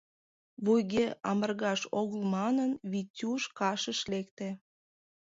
Вуйге амыргаш огыл манын, Витюш кашыш лекте.